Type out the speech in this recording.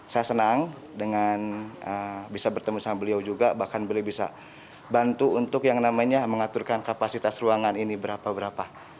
saya senang dengan bisa bertemu sama beliau juga bahkan beliau bisa bantu untuk yang namanya mengaturkan kapasitas ruangan ini berapa berapa